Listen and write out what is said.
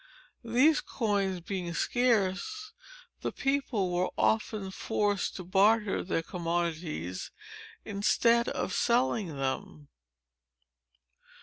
These coins being scarce, the people were often forced to barter their commodities, instead of selling them.